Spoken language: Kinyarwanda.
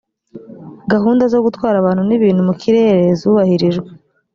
gahunda zo gutwara abantu n’ibintu mu kirere zubahirijwe